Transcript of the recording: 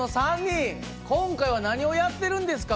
今回は何をやってるんですか？